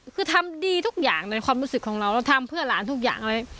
คือทำดีทุกอย่างในความรู้สึกของเราเราทำเพื่อหลานทุกอย่างเลย